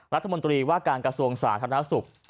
รัฐมนตรีว่าการกระทรวงสาธารณสุข